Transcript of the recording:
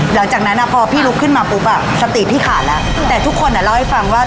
หลังจากนั้นพอพี่ลุกขึ้นมาปุ๊บอ่ะสติพี่ขาดแล้วแต่ทุกคนเล่าให้ฟังว่า